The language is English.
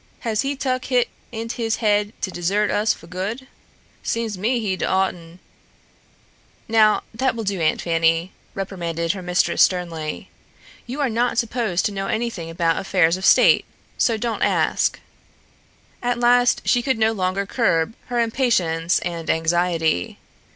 "Has he tuck hit int' his haid to desert us fo' good? Seems to me he'd oughteh " "Now, that will do, Aunt Fanny," reprimanded her mistress sternly. "You are not supposed to know anything about affairs of state. So don't ask." At last she no longer could curb her impatience and anxiety.